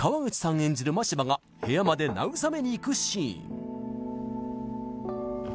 演じる真柴が部屋まで慰めに行くシーン